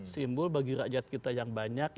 simbol bagi rakyat kita yang banyak